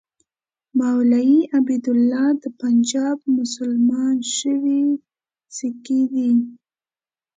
مولوي عبیدالله د پنجاب مسلمان شوی سیکه دی.